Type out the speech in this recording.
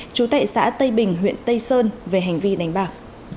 đề xã tây bình huyện tây sơn về hành vi đánh bạc